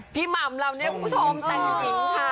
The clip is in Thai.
พี่หม่ำเราเนี่ยคุณผู้ชมแต่งสินภูมิค่ะ